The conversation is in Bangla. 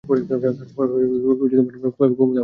ব্যস, তারপর এক পেয়ালা চা খাইয়া কুমুদ আবার চিত।